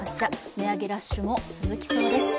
値上げラッシュも続きそうです。